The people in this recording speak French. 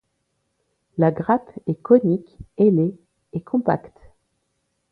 La grappe est conique, ailée et compacte.